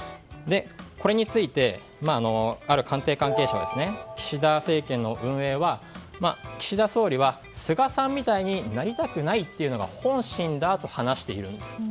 これについてある官邸関係者は岸田政権の運営は岸田総理は菅さんみたいになりたくないというのが本心だと話しているんです。